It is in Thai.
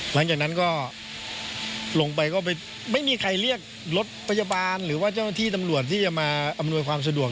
หลังจากนั้นก็ลงไปก็ไปไม่มีใครเรียกรถพยาบาลหรือว่าเจ้าหน้าที่ตำรวจที่จะมาอำนวยความสะดวก